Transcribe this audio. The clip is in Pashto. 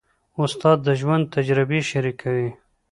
استاد د ژوند تجربې شریکوي.